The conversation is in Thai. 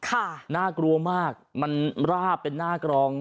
มันหน้ากลัวมากมันเกราะหน้ากลอง